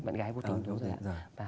bạn gái vô tính